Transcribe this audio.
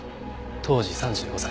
当時３５歳。